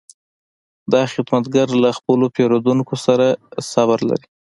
دا خدمتګر له خپلو پیرودونکو سره صبر لري.